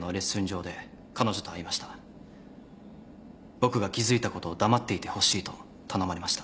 僕が気付いたことを黙っていてほしいと頼まれました。